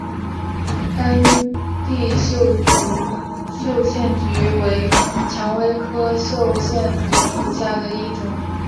干地绣线菊为蔷薇科绣线菊属下的一个种。